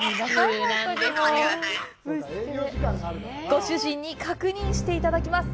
ご主人に確認していただきます。